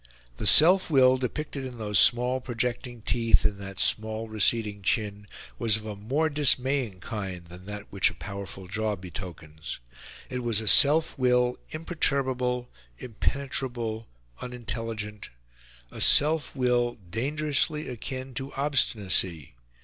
The self will depicted in those small projecting teeth and that small receding chin was of a more dismaying kind than that which a powerful jaw betokens; it was a self will imperturbable, impenetrable, unintelligent; a self will dangerously akin to obstinacy.